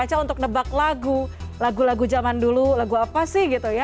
baca untuk nebak lagu lagu lagu zaman dulu lagu apa sih gitu ya